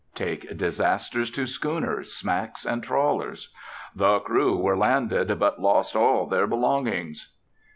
Take disasters to schooners, smacks, and trawlers. "The crew were landed, but lost all their belongings."